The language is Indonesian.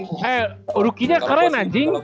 eh rukinya keren anjing